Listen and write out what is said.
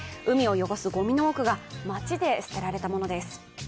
海を汚すごみの多くが街で捨てられたものです。